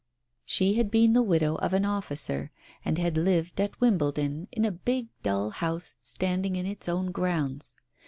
She had been the widow of an officer, and had lived at Wimbledon in a big dull house standing in its own grounds.